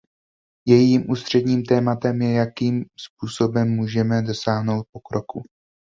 Jejím ústředním tématem je, jakým způsobem můžeme dosáhnout pokroku.